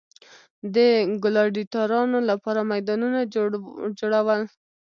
د ګلاډیټورانو لپاره میدانونه جوړول.